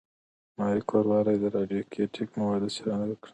ماري کوري ولې د راډیواکټیف موادو څېړنه وکړه؟